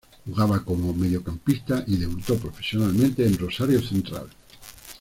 Jugaba como mediocampista y debutó profesionalmente en Rosario Central.